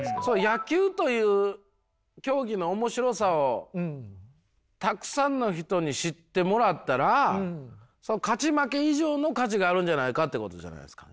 野球という競技の面白さをたくさんの人に知ってもらったらその勝ち負け以上の価値があるんじゃないかってことじゃないですか。